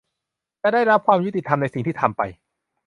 จะได้รับความยุติธรรมในสิ่งที่ทำไป